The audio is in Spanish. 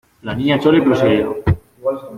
la Niña Chole prosiguió: